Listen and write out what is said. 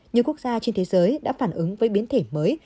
nhiều quốc gia trên thế giới đã phản ứng với biến thể mới